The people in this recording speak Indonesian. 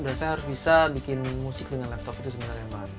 dan saya harus bisa bikin musik dengan laptop itu sebenarnya yang bahan